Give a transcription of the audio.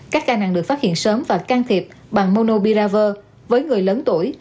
các ca nặng được phát hiện sớm và can thiệp bằng monobiraver với người lớn tuổi